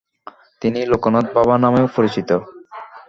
তিনি লোকনাথ বাবা নামেও পরিচিত।